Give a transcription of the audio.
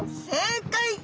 正解！